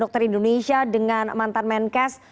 dokter indonesia dengan mantan menkes